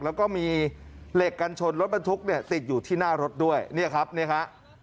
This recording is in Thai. แล้วก็มีเหล็กกันชนรถบรรทุกเนี่ยติดอยู่ที่หน้ารถด้วยเนี่ยครับเนี่ยฮะ